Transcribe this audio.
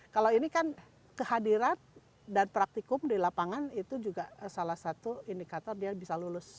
kalau ini kan kehadiran dan praktikum di lapangan itu juga salah satu indikator dia bisa lulus